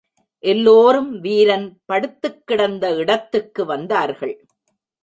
எல்லோரும் வீரன் படுத்துக்கிடந்த இடத்துக்கு வந்தார்கள்.